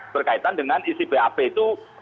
berkaitan dengan isi bap itu